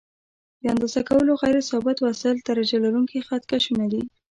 د اندازه کولو غیر ثابت وسایل درجه لرونکي خط کشونه دي.